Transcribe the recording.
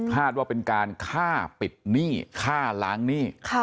ว่าเป็นการฆ่าปิดหนี้ฆ่าล้างหนี้